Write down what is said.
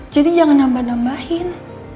jadi jangan nambah nambahin